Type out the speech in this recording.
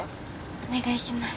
お願いします